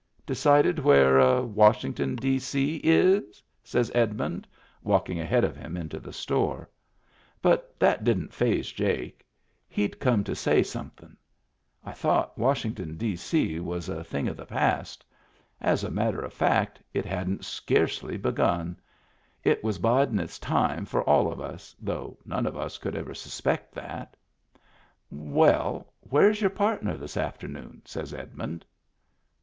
" Decided where Washington, D.C., is ?" says Edmund, walkin' ahead of him into the store. But that didn't faze Jake; he'd come to say somethin'. I thought Washington, D.C., was a Digitized by Google WHERE IT WAS 247 thing of the past. As a matter of fact it hadn't scarcely begun ; it was bidin' its time for all of us, though none of us could ever suspect that "Well, where's your partner this afternoon?" says Edmund.